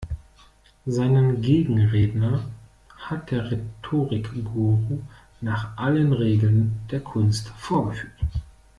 Seinen Gegenredner hat der Rhetorik-Guru nach allen Regeln der Kunst vorgeführt.